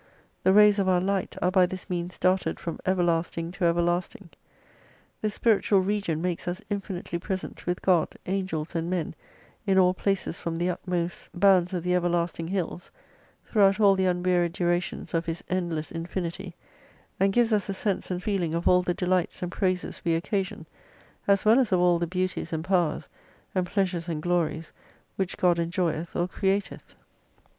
The rays of our light are by this means darted from everlasting to everlasting. This spiritual region makes us infinitely present with God, Angels, and Men in all places from the utmost bounds of the 326 everlasting hills, tlirougliout all the unwearied durations of His endless infinity, and gives us the sense and feeling of all the delights and praises we occasion, as well as of all the beauties and powers, and pleasures and glories which God enjoyeth or createth.